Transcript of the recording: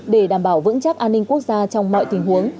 để đảm bảo vững chắc an ninh quốc gia trong mọi tình huống